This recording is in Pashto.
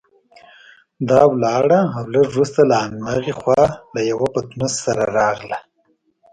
دا ولاړه او لږ وروسته له هماغې خوا له یوه پتنوس سره راغله.